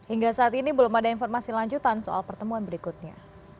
hingga saat ini belum ada informasi lanjutan soal pertemuan berikutnya